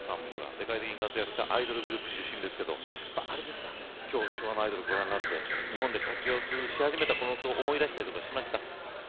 世界的に活躍したアイドルグループ出身ですけどきょう昭和アイドルをご覧になって日本で活躍し始めたころのことを思い出したりしましたか。